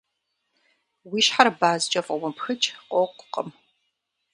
Уи щхьэр базкӏэ фӏумыпхыкӏ, къокӏукъым.